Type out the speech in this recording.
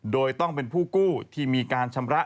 โดยต้องเป็นผู้กู้ที่มีการชำระ